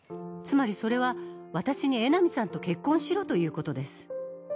つまりそれは私に江波さんと結婚しろということです。